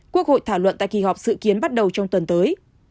quốc hội thảo luận tại kỳ họp dự kiến bắt đầu trong tuần tới